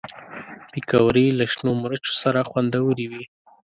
پکورې له شنو مرچو سره خوندورې وي